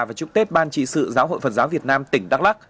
và chúc tết ban trị sự giáo hội phật giáo việt nam tỉnh đắk lắc